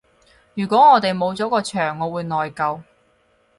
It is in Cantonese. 如果我哋冇咗個場我會內疚